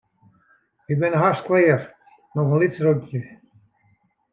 Wy binne hast klear, noch in lyts rukje.